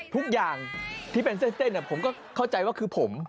ทุกอย่างที่เป็นเส้นผมก็เข้าใจว่าคือผม